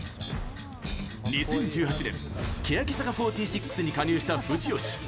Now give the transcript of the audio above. ２０１８年欅坂４６に加入した藤吉。